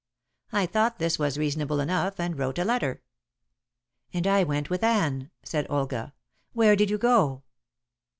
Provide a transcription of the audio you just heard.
I thought this was reasonable enough, and wrote a letter." "And I went with Anne," said Olga. "Where did you go?"